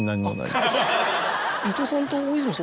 伊東さんと大泉さん